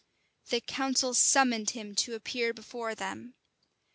The council summoned him to appear before them.